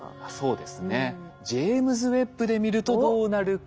ジェイムズ・ウェッブで見るとどうなるか。